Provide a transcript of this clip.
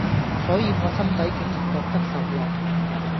所以我心底竟然覺得受落